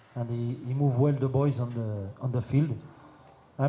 kami akan berhenti dengan ide